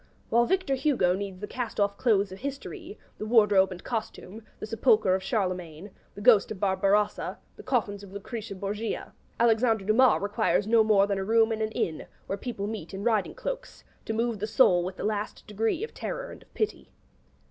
'While Victor Hugo needs the cast off clothes of history, the wardrobe and costume, the sepulchre of Charlemagne, the ghost of Barbarossa, the coffins of Lucretia Borgia, Alexandre Dumas requires no more than a room in an inn, where people meet in riding cloaks, to move the soul with the last degree of terror and of pity.'